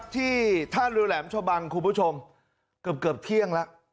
ที่ท่านริวแหลมชะบังคุณผู้ชมเกือบเกือบเที่ยงละ